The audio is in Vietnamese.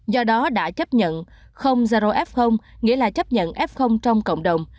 do đó đã chấp nhận không zaro f nghĩa là chấp nhận f trong cộng đồng